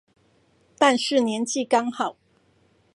但是年紀剛好